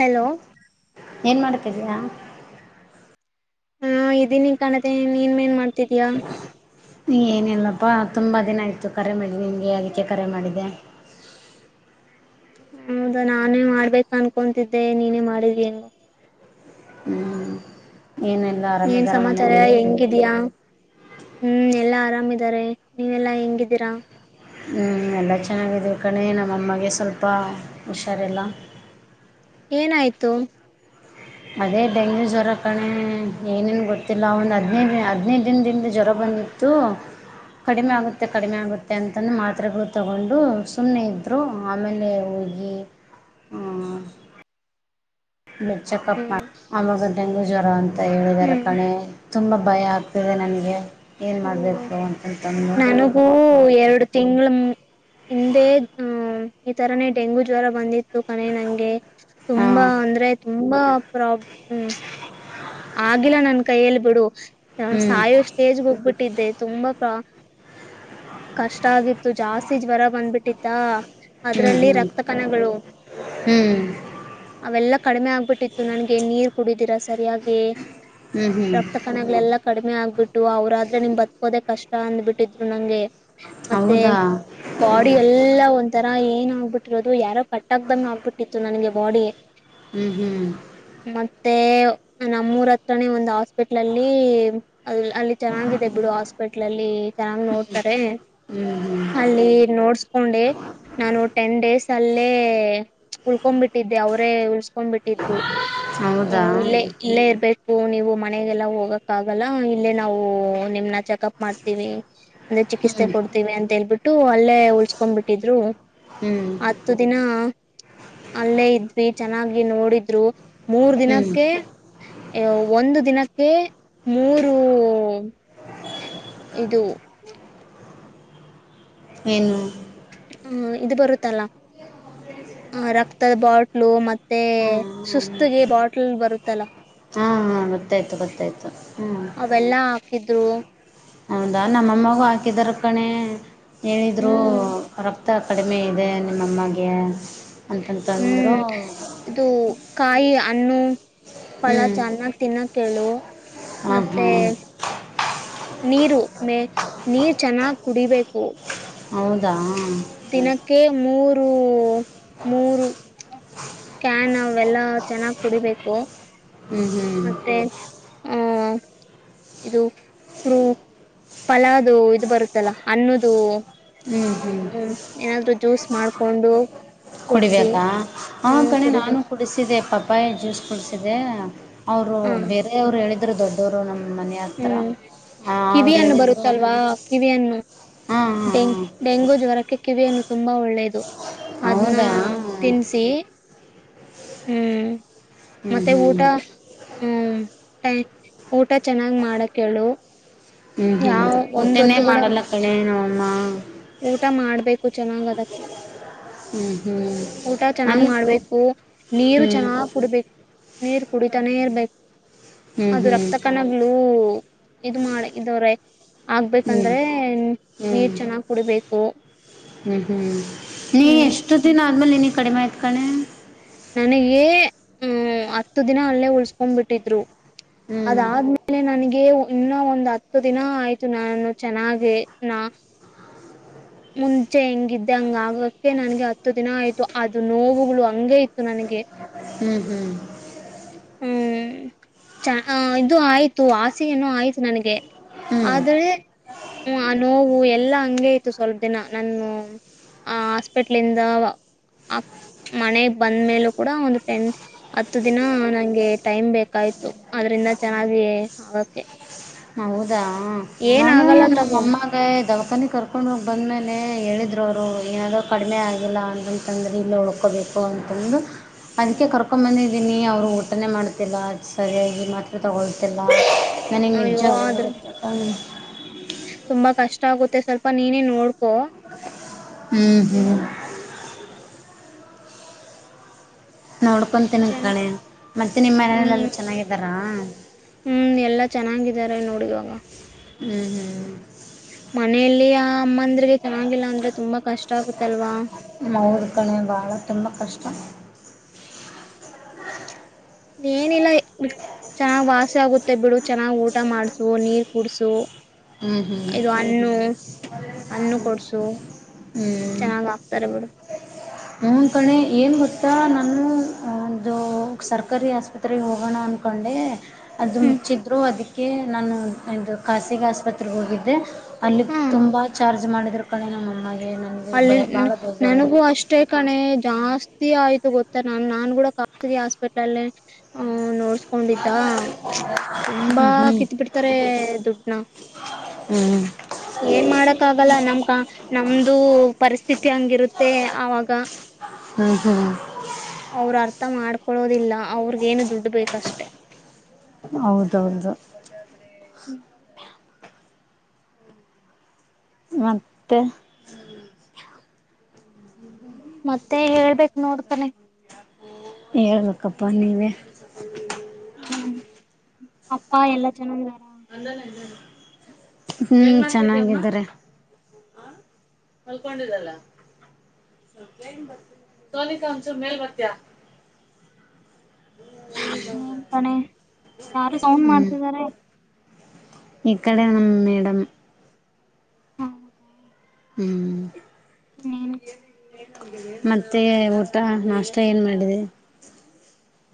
Hello. ಏನ್ಮಾಡ್ತಿದಿಯಾ. ಹಾ ಇದೀನಿ ಕಾಣತೆ ನೀನ್ ಮೇನ್ ಮಾಡ್ತಿದಿಯಾ. ಏನಿಲ್ಲಪ್ಪಾ ತುಂಬಾ ದಿನ ಆಯ್ತು ಕರೆ ಮಾಡಿ ನಿಂಗೆ ಅದಕ್ಕೆ ಕರೆ ಮಾಡಿದೆ. ಹೌದಾ ನಾನೇ ಮಾಡ್ಬೇಕ ಅನ್ಕೊತಿದ್ದೆ ನೀನೇ ಮಾಡಿದಿಯ ಹೆಂಗೋ. ಹ್ಮ್ ಏನೆಲ್ಲಾ. ಏನ್ ಸಮಾಚಾರ ಹೆಂಗಿದಿಯಾ. ಹ್ಮ್ ಎಲ್ಲಾ ಆರಾಮಿದಾರೆ ನೀವೆಲ್ಲಾ ಹೆಂಗಿದ್ದೀರಾ. ಹ್ಮ್ ಎಲ್ಲ ಚೆನ್ನಾಗಿದೀವಿ ಕಣೇ ನಮ್ಮಮ್ಮಗೆ ಸ್ವಲ್ಪ ಹುಷಾರಿಲ್ಲ. ಏನಾಯಿತು. ಅದೇ ಡೆಂಗ್ಯೂ ಜ್ವರ ಕಣೆ ಏನೇನು ಗೊತ್ತಿಲ್ಲ ಒಂದು ಹದಿನೈದು ದ ಹದಿನೈದು ದಿನದಿಂದ ಜ್ವರ ಬಂದು. ಅದು ಕಡಿಮೆ ಹ್ಮ್ ಆಗುತ್ತೆ. ಕಡಿಮೆ ಆಗುತ್ತೆ ಅಂತನ ಮಾತ್ರೆಗಳು ತಗೊಂಡು ಸುಮ್ಮನೆ ಇದ್ರು ಆಮೇಲೆ ಹೋಗಿ. ಹ್ಮ. ಚೆಕಪ್ ಹ್ಮ್ ಮಾಡ ಆಮಗ ಡೆಂಗೂ ಜ್ವರ ಅಂತ ಹೇಳಿದಿದ್ದಾರೆ ಹ್ಮ್ ಕಣೆ. ತುಂಬ ಭಯ ಆಗ್ತಿದೆ ನನಗೆ ಏನು ಮಾಡಬೇಕು ಅಂತಂತಂದು. ಹ್ಮ ನನಗೂ ಎರಡು ತಿಂಗಳ್ ಮೇ. ಹಿಂದೆ ಈ ತರನೇ ಡೆಂಗೂ ಜ್ವರ ಬಂದಿತ್ತು ಕಣೆ ನಂಗೆ. ಹಾಂ ತುಂಬಾ ಅಂದ್ರೆ ತುಂಬಾ ಪ್ರಾಬ್ ಹ್ಮ. ಆಗಿಲ್ಲ ನನ್ ಕೈಯಲ್ಲಿ ಬಿಡು ಹ್ಞೂ ಸಾಯೋ ಸ್ಟೇಜ್ ಹೋಗ್ಬಿಟ್ಟಿದ್ದೆ ತುಂಬಾ ಪ್ರ ಕಷ್ಟ ಆಗಿತ್ತು ಜಾಸ್ತಿ ಜ್ವರ ಬಂದ್ಬಿಟ್ಟಿತ್ತ. ಹ್ಞೂ ಅದರಲ್ಲಿ ಹ್ಞೂ ರಕ್ತ ಕಣಗಳು. ಅವೆಲ್ಲಾ ಕಡಿಮೆ ಆಗ್ಬಿಟ್ಟಿತ್ತು ನನ್ಗೆ ನೀರ್ ಕುಡಿದೀರಾ ಸರಿಯಾಗಿ. ಹ್ಞೂ ಹ್ಞೂ ಹ್ಞೂ ರಪ್ತ. ಕನಗಳೆಲ್ಲ ಕಡಿಮೆ ಆಗ್ಬಿಟ್ಟು ಅವ್ರಾದ್ರೆ ನಿಮ್ ಬ್ಕೋದೆ ಕಷ್ಟ ಅಂದ್ಬಿಟ್ಟಿದ್ರು ನಂಗೆ. ಮತ್ತೆ ಹೌದಾ ಬಾಡಿ ಎಲ್ಲಾ ಒ ಈ ತರ ಏನ್ ಆಗ್ಬಿಟ್ಟಿರೋದು ಯಾರೋ ಕಟ್ಟಕ್ ಬಂದ ಆಗ್ಬಿಟ್ಟಿತ್ತು ನನಗೆ ಬಾಡಿ. ಹ್ಮ್ ಹ್ಮ್. ಮತ್ತೆ ನಮ್ಮೂರ ಹತ್ರನೇ ಒಂದ್ ಹಾಸ್ಪಿಟ್ಲ್ ಅಲ್ಲಿ. ಅದು ಅಲ್ಲಿ ಚೆನ್ನಾಗಿದೆ ಬಿಡು ಹಾಸ್ಪಿಟ್ಲ್ ಅಲ್ಲಿ ಚೆನ್ನಾಗ್ ನೋಡ್ತಾರೆ. ಹ್ಞೂ ಹ್ಞೂ ಅಲ್ಲಿ ನೋಡ್ಸ್ ಕೊಂಡೆ ನಾನು ಟೆನ್ ಡೇಸ್ ಅಲ್ಲೇ ಉಳ್ಕೊಬಿಟ್ಟಿದ್ದೆ ಅವರೇ ಉ ಕೊಂಡ್ಬಿಟ್ಟಿದ್ರು ಹೌದಾ ಹ್ಮ್ ಇಲ್ಲೇ. ಇಲ್ಲೇ ಇರ್ಬೇಕು ನೀವು ಮನೆಗೆಲ್ಲ ಹೋಗಕ್ ಆಗಲ್ಲ ಇಲ್ಲೇ ನಾವು ನಿಮ್ನ ಚೆಕಪ್ ಮಾಡ್ತೀವಿ. ಅಂದ್ರೆ ಚಿಕಿತ್ಸೆ ಹ್ಞೂ ಕೊಡ್ತೀವಿ ಅಂತೇಳ್ಬಿಟ್ಟು ಅಲ್ಲೇ ಉಳ್ಸ್ಕೊಂಡಬಿಟ್ಟಿದ್ರು. ಹ್ಮ್. ಹತ್ತು ದಿನ ಅಲ್ಲೇ ಇದ್ವಿ ಚೆನ್ನಾಗಿ ನೋಡಿದ್ರು ಮೂರ್ ಹ್ಞೂ ದಿನಕ್ಕೆ. ಒಂದು ದಿನಕ್ಕೆ ಮೂರುೂ. ಇದು. ಮೇನು. ಹ್ಮ ಇದು ಬರುತ್ತಲ್ಲಾ. ಹ. [inaudible] ಆ ರಕ್ತದ ಬಾಟ್ಲು ಮತ್ತೆ ಹಾಂ ಹಾಂ ಸುಸ್ತಗೆ ಬಾಟ್ಲ್ ಬರುತ್ತಲ್ಲಾ. ಹಾ ಗೊತ್ತಾಯ್ತು ಗೊತ್ತಾಯ್ತು ಹ್ಞ. ಬೆಲ್ಲ ಹಾಕಿದ್ರು. ಹೌದಾ ನಮ್ಮಮ್ಮಗೂ ಹಾಕಿದರ ಕಣೆ ಹೇಳಿದ್ರು ಹ್ಮ್ ರಕ್ಕ. ಮತ್ತು ರಕ್ತ ಕಡಿಮೆ ಇದೆ ನಿಮ್ಮಮ್ಮಗೆ ಅಂತಂತಂದರು. ಹ್ಮ್ ಇದು ಕಾಯಿ ಹ್ಣ. ಹ್ಞೂ ಫಲ ಚೆನ್ನಾಗ ತಿನ್ನಕ ಹೇಳು ಹಾಂ ಮತ್ತೆ. ಹಾಂ ನೀರು ಮೇ ನೀರ್ ಚೆನ್ನಾಗ್ ಕುಡಿಬೇಕು. ಹೌದಾ. ದಿನಕ್ಕೆ ಮೂರು ಮೂರು. ಕ್ಯಾನ್ ಅವೆಲ್ಲಾ ಚೆನ್ನಾಗ್ ಕುಡಿಬೇಕು. ಹ್ಞೂ ಹ್ಞೂ ಮತ್ತೆ ಆ. ಇದು ಪೂ ಫಲಾವದು ಇದು ಬರುತ್ತಲ್ಲ ಅನ್ನದು ಹ್ಮ್ ಹ್ಮ್ ಹ್ಮ್ ಏನಾದ್ರು ಜ್ಯೂಸ್ ಮಾಡ್ಕೊಂಡು ಕುಡ್ಸಿ ಕುಡಿಬೇಕಾ ಆ ಹ್ಮ್ ಕಣೆ ನಾನು ಕುಡಿಬೇಕು ಕುಡಿಸಿದೆ ಪಪ್ಪಾಯಿ ಜ್ಯೂಸ್ ಕುಡಿಸಿದೆ ಅವರು ಹ ಬೇರೆಯವ್ರು ಹೇಳಿದ್ರು ದೊಡ್ಡವರು ನಮ್ಮ ನ ಮನೆ ಹತ್ರಿ ಹ್ಮ್ ಅವ್ರು ಕಿವಿಯನ್ನು ಹೇಳಿದರು ಬರುತ್ತಲ್ವಾ ಹಾಂ ಹಾಂ ಹಾಂ ಡೆಂಗೂ ಜ್ವರಕ್ಕೆ ಕಿವಿ ಹಣ್ಣು ತುಂಬಾ ಒಳ್ಳೆಯದು ಅದನ್ನ ಹೌದಾ ತಿನ್ನಿಸಿ ಹ್ಮ್ ಹ್ಞೂ ಮತ್ತೆ ಹ್ಞೂ ಊಟಾ ಹ್ಮ ಊಟಾ ಚೆನ್ನಾಗ್ ಮಾಡಹೇಳು ಹ್ಮ್ ಹ್ಮ್ ಊಟನೇ ಮಾಡಲ್ಲ ಕಳೆ ನಮಮ್ಮ ಊಟಾ ಮಾಡ್ಬೇಕು ಚೆನ್ನಾಗ್ ಅದಕ್ಕೆ ಹ್ಮ್ ಹ್ಮ್ ಊಟಾ ಚೆನ್ನಾಗ್ ಅಲ್ಲಿ ಮಾಡ್ಬೇಕು ನೀರು ಹ್ಮ್ ಚೆನ್ನಾಗ್ ಕುಡ್ಬೇಕು ನೀರು ಕುಡಿತಾನೆ ಇರ್ಬೇಕು ಹ್ಮ್ ಅದು ಹ್ಮ್ ರಕ್ತ ಕಣಗಳು ಇದು ಮಾಡ ಇದವ್ರೆ ಹ್ಮ್ ಆಗ್ಬೇಕಂದ್ರೆ ಹ್ಮ್ ನೀರ್ ಚೆನ್ನಾಗ್ ಕುಡಿಬೇಕು ಹ್ಮ್ ಹ್ಮ್ ನೀ ಹ್ಮ್ ಎಷ್ಟು ದಿನ ಆದ್ಮೇಲೆ ನೀನಗ ಕಡಿಮೆ ಆಯಿತ ಕಣೆ ನನಗೇ ಹಂ ಹತ್ತು ದಿನ ಅಲ್ಲೇ ಉಳ್ಸ್ಕೊಂಡ್ ಬಿಟ್ಟಿದ್ರು ಹ್ಮ್ ಅದಾದ್ಮೇಲೆ ಆಲೆ ನನಗೆ ಇನ್ನ ಒಂದ್ ಹತ್ತು ದಿನ ಆಯ್ತು ನಾನು ಚೆನ್ನಾಗಿ ನಾ ಮುಂಚೆ ಹೆಂಗಿದ್ದೆ ಹಂಗ ಆಗಕ್ಕೆ ನನ್ಗೆ ಹತ್ತು ದಿನ ಆಯ್ತು ಅದು ನೋವುಗಳು ಹಂಗೆ ಇತ್ತು ನನಗೆ ಹ್ಮ್ ಹ್ಮ್ ಹ್ಮ್ [inaudible] ಚ ಇದು ಆಯ್ತು ಆಸೆಯನ್ನು ಆಯ್ತು ನನಗೆ ಹ್ಮ್ ಆದರೆ ಹ್ಮ ಆ ನೋವು ಎಲ್ಲಾ ಹಂಗೇ ಇತ್ತು ಸ್ವಲ್ಪ ದಿನ ನನ್ನು ಆ ಹಾಸ್ಪೆಟ್ಲಿಂದ ಆ ಮನೆಗ್ ಬಂದ ಮೇಲೊ ಕೂಡ ಒಂದು ಟೆನ್ ಹತ್ತು ದಿನ ನಂಗೆ ಟೈಮ್ ಬೇಕಾಯ್ತು ಅದ್ರಿಂದ ಚೆನ್ನಾಗಿ ಆಗೋಕೆ ಹೌದಾ ನಾನು ಆಗಲ್ಲ ತಗೋ ನಮ್ಮಮ್ಮ ದವಾಖಾನಿ ಕರ್ಕೊಂಡು ಹೋಗಿ ಬಂದ್ಮೇಲೆ ಹೇಳಿದರು ಅವರು ಏನಾದ್ರು ಕಡಿಮೆ ಆಗಿಲ್ಲ ಅಂತ ದ್ರೆ ಇಲ್ಲ ಉಳ್ಕೋಬೇಕು ಅಂತಂದು ಅದಕ್ಕೆ ಕರ್ಕೊಂಡ ಬಂದ ಇದೀನಿ ಅವರು ಊಟನೇ ಮಾಡ್ತಿಲ್ಲ ಸರಿಯಾಗಿ ಮಾತ್ರ ತಗೊಳ್ತಿಲ್ಲ ನನಗೆ ಅಯ್ಯೋ ಆದ್ರ ತುಂಬಾ ಕಷ್ಟ ಆಗುತ್ತೆ ಸ್ವಲ್ಪ ನೀನೇ ನೋಡ್ಕೊ ಹ್ಮ್ ಹ್ಮ್ ನೋಡ್ಕೊತೀನಿ ಚ ಕಳೆ ಮತ್ತೆ ನಿಮ್ಮ ಹ್ಮ್ ಮನಲೆಲ್ಲಾ ಚೆನ್ನಾಗಿದ್ದಾರಾ ಹ್ಮ್ ಎಲ್ಲಾ ಚೆನ್ನಾಗಿದ್ದಾರೆ ನೋಡುವಾಗ ಹ್ಮ್ ಹ್ಮ್ ಮನೆಯಲ್ಲಿ ಆ ಅಮ್ಮಂದ್ರಿಗೆ ಚೆನ್ನಾಗಿಲ್ಲ ಅಂದ್ರೆ ತುಂಬಾ ಕಷ್ಟ ಆಗುತ್ತಲ್ವಾ [unintelligible] ಕಣೆ ಭಾಳ ತುಂಬ ಕಷ್ಟಾ ಏನಿಲ್ಲಾ ಚೆನ್ನಾಗ್ ವಾಸಿ ಆಗುತ್ತೆ ಬಿಡು ಚೆನ್ನಾಗ್ ಊಟ ಮಾಡ್ಸು ನೀರ್ ಕುಡ್ಸು ಹ್ಮ್ ಹ್ಮ್ ಹಣ್ಣ ಹಣ್ಣು ಕೊಡ್ಸು ಚೆನ್ನಾಗ್ ಆಕ್ತಾರ ಬಿಡು ಹೂ ಕಣೆ ಏನು ಗೊತ್ತಾ ನಾನು ಅದು ಸರ್ಕಾರಿ ಆಸ್ಪತ್ರೆಗೆ ಹೋಗೋಣ ಅಂದ್ಕೊಂಡೆ ಅದು ಹ್ಮ್ ಮುಚ್ಚಿದರೂ ಅದಕ್ಕೆ ನಾನು ಇದು ಖಾಸಗಿ ಆಸ್ಪತ್ರೆಗೆ ಹೋಗಿದ್ದೆ ಅಲ್ಲಿಗೆ ಹಾ ತುಂಬ ಚಾರ್ಜ್ ಮಾಡಿದ್ರ ಕಣೆ ನಮ್ಮ ಅಮ್ಮಗೆ ನನಗೆ ಅಲ್ಲಿ ಭಯ ಭಾಳ ನನಗೂ ಬೇಜಾರಾಯಿತು ಅಷ್ ಅಷ್ಟೇ ಕಣೆ ಜಾಸ್ತಿ ಆಯ್ತು ಗೊತ್ತ ನ ನಾನ್ ಕೂಡ ಖಾಸಗಿ ಹಾಸ್ಪೆಟ್ಲೆಲ್ಲೆ. ಹ ನೋಡ್ಸ್ಕೊಂಡಿದ್ದ ತುಂಬಾ ಹ್ಞೂ ಕಿತ್ ಬಿಡ್ತಾರೆ ದುಡ್ನ. ಹ್ಮ್ ಏನ್ ಮಾಡಕ್ ಆಗಲ್ಲ ನಮ್ಕ ನಮ್ದು ಪರಿಸ್ಥಿತಿ ಹಂಗಿರುತ್ತೆ ಆವಾಗ. ಹ್ಮ್ ಹ್ಮ್ ಅವ್ರು ಅರ್ಥ ಮಾಡ್ಕೊಳ್ಳೋದಿಲ್ಲ ಅವ್ರಗೇನು ದುಡ್ಡು ಬೇಕಷ್ಟೆ. ಹೌದೌದು. ಮಜಾದರೆ. ಮತ್ತೆ. ಮತ್ತೆ ಹೇಳ್ಬೇಕ್ ನೋಡ್ತಾನೆ. ಹೇಳ್ಬೇಕಪ್ಪ ನೀವೆ. ಹ್ಮ್ ಅಪ್ಪ ಎಲ್ಲಾ ಚನ್ನಾಗಿದರ. ಹ್ಮ್ ಚೆನ್ನಾಗ ಇದಾರೆ. ಮಲ್ಕೊಂಡಿದ್ದಾಳ ಸೋನಿಕಾ ಒಂಚೂರು ಮೇಲ್ ಬರ್ತಿಯಾ. ಹ್ಮ ಕಣೆ ಯಾರು ಸೌಂಡ್ ಮಾಡ್ತಿದ್ದಾರೆ. ಇಕಡೆ ನಮ್ಮ ಮೇಡಮ್. ಹೌದಾ. ಹ್ಮ್ ಇನ್ನೇನ್. ಮತ್ತೆ ಊಟ ನಾಷ್ಟ ಏನ್ ಮಾಡಿದೆ.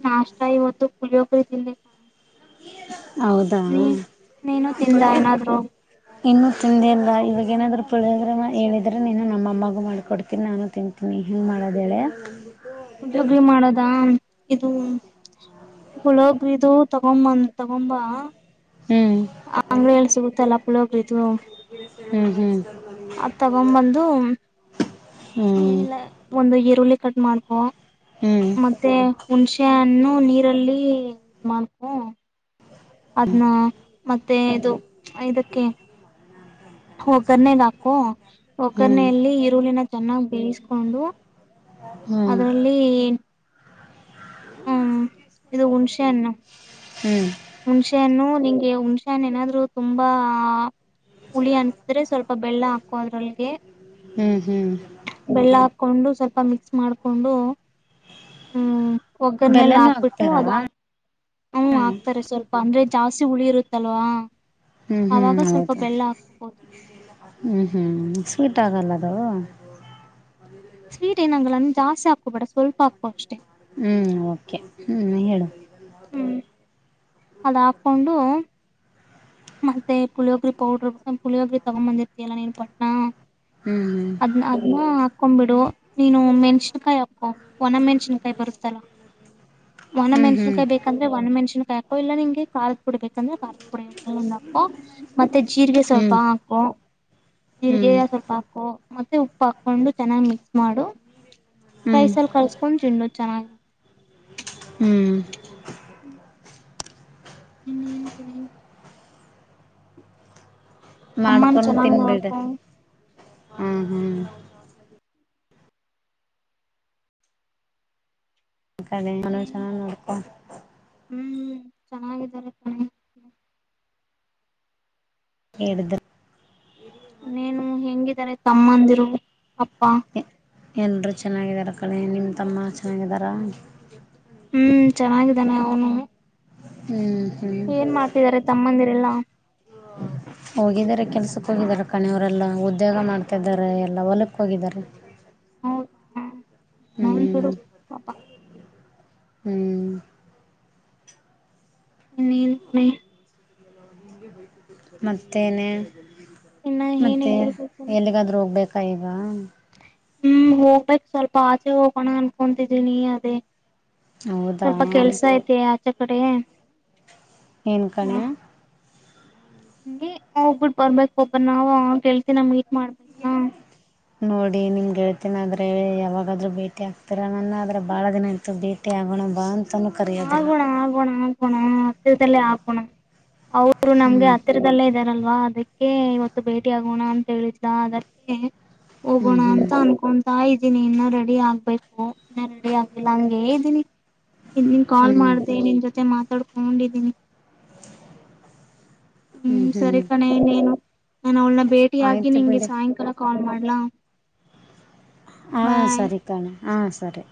ನಾಷ್ಟ ಇವತ್ತು ಪುಳಿಯೋಗರೆ ತಿಂದೆ. ಕಣೆ ಹೌದಾ. ನೀ ನೀನು ತಿಂದ ಏನಾದ್ರು ಇನ್ನು ತಿಂದಿಲ್ಲ ಇವಾಗ ಏನಾದ್ರರು ಪುಳಿಯೋಗರೆ ಹೇಳಿದ್ರೆ ಇನ್ನು ನಮ್ಮ ಅಮ್ಮಗೂ ಮಾಡಿಕೊಡ್ತೀನಿ ನಾನು ತಿಂತಿ ನೀ ಹೆಂಗ್ ಮಾಡೋದ್ ಹೇಳೇ. ಪುಳಿಯೋಗರೆ ಮಾಡದ ಇದು. ಪುಳಿಯೋಗರಿದು ತಗೊಂಬಂದ ತಗೊಂಬ. ಹ್ಮ್ ಅಂಗಡೀಲಿ ಸಿಗುತ್ತಲ್ಲಾ ಪುಳಿಯೊಗ್ರಿದು. ಹ್ಮ್ ಹ್ಮ್ ಆದ್ ತಗೊಂಬಂದು. ಹ್ಮ್ ಏನಿಲ್ಲ ಒಂದು ಈರುಳ್ಳಿ ಕಟ್ ಮಾಡ್ಕೊ. ಹ್ಮ್ ಮತ್ತೆ ಹುಣಸೆಯನ್ನು ನೀರಲ್ಲಿ ಇದ ಮಾಡ್ಕೊ. ಅದನ್ನ ಮತ್ತೆ ಇದು ಇದಕ್ಕೆ. ಒಗ್ಗರ್ನೆಗಾಕು ಹ್ಮ್ ಹ್ಮ್ ಒಗ್ಗರ್ನೆಯಲ್ಲಿ ಈರುಳ್ಳಿನ ಚೆನ್ನಾಗ ಬೇಯಿಸ್ಕೊಂಡು. ಹ್ಮ್ ಅದರಲ್ಲಿ. ಹ್ಮ್ ಇದು ಹುಣಸೆಹಣ್ಣು. ಹ್ಮ್ ಹುಣ್ಶೆ ಹಣ್ಣು ನಿಂಗೆ ಹುಣ್ಸಹಣ್ಣು ಏನಾದ್ರು ತುಂಬಾ. ಹುಳಿ ಅನಸಿದ್ರೆ ಸ್ವಲ್ಪ ಬೆಲ್ಲ ಹಾಕ್ಕೋ ಅದ್ರೊಲ್ಗೆ. ಹ್ಮ್ ಹ್ಮ್ ಬೆಲ್ಲ ಹಾಕೊಂಡು ಸ್ವಲ್ಪ ಮಿಕ್ಸ್ ಮಾಡ್ಕೊಂಡು ಹ್ಮ್. ಒಗ್ಗರ್ನೆಲ್ಲ ಬೆಲ್ಲನೂ ಹಾಕ್ಬಿಟ್ಟು ಹಾಕ್ತಾರಾ ಅದಾದ್ ಹ್ಮ್ ಹಾಕ್ತಾರೆ ಸ್ವಲ್ಪ ಅಂದ್ರೆ ಜಾಸ್ತಿ ಹುಳಿ ಇರುತ್ತಲ್ವಾ. ಹ್ಮ್ ಹ್ಮ್ ಅವಾಗ ಸ್ವಲ್ಪ ಬೆಲ್ಲ ಹಾಕೋಬಹುದು. ಹ್ಞೂ ಹ್ಞೂ ಸ್ವೀಟ್ ಆಗಲ್ಲ ಅದೂ ಸ್ವೀಟ್ ಏನ್ ಆಗಲ್ಲ ನೀನ್ ಜಾಸ್ತಿ ಹಾಕೋಬೇಡ ಸ್ವಲ್ಪ ಹಾಕೋ ಅಷ್ಟೇ ಹ್ಮ್ ಓಕೆ ಹ್ಮ್ ಹೇಳು. ಹ್ಮ್ ಅದ ಹಾಕೊಂಡೂ ಮತ್ತೆ ಪುಳಿಯೋಗ್ರಿ ಪೌಡರ್ ಪುಳಿಯೊಗ್ರಿ ತಗೊಂಬಂದಿರ್ತಿಯಲ್ಲಾ ನೀನ್ ಪೋಟ್ನಾ ಹ್ಮ್. ಅದ್ನ ಅದ್ನಾ ಹಾಕೊಂಮ್ಬಿಡು ನೀನು ಮೆಣಸಿನ್ಕಾಯಿ ಹಾಕ್ಕೋ ಒಣಮೆಣಿಶಿನಕಾಯಿ ಬರುತ್ತಲ್ಲಾ ಹ್ಮ. [unintelligible] ಒಣ ಮೆಣಶಿನ್ಕಾಯಿ ಬೆಕಂದ್ರ ಒಣ ಮೆಣಶಿನ್ ಕಾಯಿ ಹಾಕೋ ಇಲ್ಲ ನಿಂಗೆ ಖಾರದ ಪುಡಿ ಬೇಕಂದ್ರೆ ಖಾರದ ಪುಡಿ [unintelligible] ಹಾಕೊ ಮತ್ತೆ ಜೀರಿಗೆ ಸ್ವಲ್ಪ ಹ್ಮ್ ಹಾಕೊ ಹ್ಮ್ ಜೀರಿಗೆಯ ಸ್ವಲ್ಪ ಹಾಕೊ ಮತ್ತೆ ಉಪ್ಪು ಹಾಕೊಂಡು ಚೆನ್ನಾಗ್ ಮಿಕ್ಸ್ ಮಾಡು ಹ್ಮ್ ರೈಸ್ ಅಲ್ಲಿ ಕರ್ಡು ತಿಂಡು ಚೆನ್ನಾಗಿ. ಹ್ಮೂ. ಹ್ಮು. ಇನ್ನ ಏನು [unintelligible] ಅಮ್ಮನ ಮಾಡ್ಕೊಂಡ್ ಚೆನ್ನಾಗ್ ತಿನ್ಬಿಡ ನೋಡ್ಕೊ ಹ ಹ್ಮ್. [unintelligible] ಚೆನ್ನಾಗಿ ನೀನ್ ನೊಡ್ಕೊ ಹ್ಮ್ ಹ ಚೆನ್ನಾಗಿದ್ದಾರೆ. ಕಣೆ [unintelligible] ನೀನು ಹೆಂಗಿದಾರೆ ತಮ್ಮಂದಿರು ಅಪ್ಪಾ ಎಲ್ಲರೂ ಚೆನ್ನಾಗಿದಾರ ಕಳೆ ನಿಮ್ಮ ತಮ್ಮ ಚೆನ್ನಾಗಿದಾರಾ. ಹ್ಮು ಚೆನ್ನಾಗಿದ್ದಾನೆ ಅವನು. ಹ್ಮೂ. ಏನ್ ಮಾಡ್ತಿದಿದಾರೆ ತಮ್ಮಂದಿರೆಲ್ಲಾ ಹ್ಮ [unintelligible] ಹೋಗಿದ್ದಾರೆ ಕೆಲ್ಸಕ್ಕೆ ಹೋಗಿದ್ದಾರೆ ಕಣೆ ಅವರೆಲ್ಲ ಉದ್ಯೋಗ ಮಾಡ್ತಿದ್ದಾರೆ ಎಲ್ಲ ಹೊಲಕ್ಕ್ ಹೋಗಿದಾರೆ. ಹೌದಾ ಸರಿ ಬಿಡು. ಹ್ಮ್ ಪಾಪಾ ಹ್ಮೂ. [unintelligible] ನೀನ್ ಮತ್ತೇನೆ ಇನ್ನ ಏನ್ ಮತ್ತೆ ಹೇಳ್ಬೇಕು ಎಲ್ಲಿಗಾದ್ರೂ ಹೋಗ್ಬೇಕಾ ತೈಬಾ ಹ್ಮ್ ಹೋಗ್ಬೇಕ್ ಸ್ವಲ್ಪ ಆಚೆ ಹೋಗೋಣ ಅನ್ಕೊತಿದೀನಿ ಅದೇ ಹೌದಾ ಸ್ವಲ್ಪ ಕೆಲ್ಸ ಐತಿ ಆಚೆ ಕಡೆ ಏನ್ ಕಣೆ ಹಂಗೆ ಹೋಗ್ಬಿಟ್ಟ ಬರ್ಬೇಕ್ ಪಾ ನಾವ್ ಗೆಳ್ತಿನ ಮೀಟ್ ಮಾಡ್ಬೇಕಾ [inaudible] ನೋಡಿ ನಿಮ್ ಗೆಳ್ತೀನ ಆದ್ರೆ ಯಾವಾಗಾದ್ರೂ ಭೇಟಿ ಆಗ್ತಿರಾ ನನ್ನ ಆದ್ರೆ ಬಾಳ ದಿನ ಆಯ್ತು ಭೆ ಭೆಟಿ ಆಗೊಣ ಬಾ ಅಂತಾನೂ ಕರೆಯೋದಿಲ್ಲ ಆಗೋಣಾ ಆಗೋಣಾ ಆಗೋಣಾ ಹತ್ತಿರದದಲ್ಲೆ ಆಗೋಣಾ ಅವರು ನಮ್ಗೆ ಹ್ಮ್ ಹತ್ತ ಹತ್ತಿರದಲ್ಲೇ ಇದಾರಲ್ವಾ ಅದಕ್ಕೆ ಇವತ್ತು ಭೇಟಿ ಆಗೋಣಾ ಅಂತ ಹೇಳಿದ ಅದಕ್ಕೆ ಹ್ಮ್ ಹೋಗೋಣ ಹ್ಮ್ ಅಂತ ಅನ್ಕೊಂತಾ ಇದ್ದೀನಿ ಇನ್ನೂ ರೆಡಿ ಆಗ್ಬೇಕು ಇನ್ನ ರೆಡಿ ಆಗ್ಲಿಲ್ಲ ಹಂಗೇ ಇದ್ದೀನ. ಇಗ್ ನಿನ್ ಕಾಲ್ ಹ್ಮ್ ಮಾಡ್ದೆ ನಿನ್ ಜೊತೆ ಮಾತಾಡ್ಕೋಂಡ್ದೀನಿ ಹ್ಮ್ ಸರಿ ಕಣೆ ನೀನು ನಾನ್ ಅವ್ಳನ ಭೇಟಿಯಾಗಿ ಆಯ್ತು ನಿಂಗೆ ಬಿಡಿ ಸಾಯಂಕಾಲ ಕಾಲ್ ಮಾಡ್ಲಾ. ಹಾ ಬಾಯ್ ಸರಿ ಕಣೆ ಹ ಸರಿ.